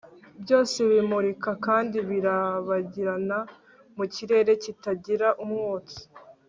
Byose bimurika kandi birabagirana mu kirere kitagira umwotsi